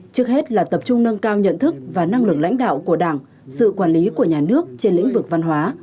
trước hết là tập trung nâng cao nhận thức và năng lực lãnh đạo của đảng sự quản lý của nhà nước trên lĩnh vực văn hóa